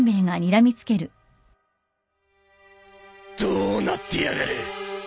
どうなってやがる！？